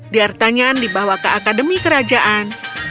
diartanyan dibawa ke akademi kerajaan